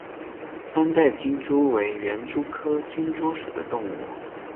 三带金蛛为园蛛科金蛛属的动物。